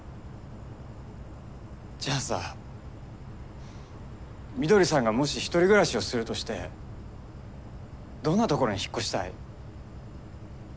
じゃあさ翠さんがもし１人暮らしをするとしてどんなところに引っ越したい？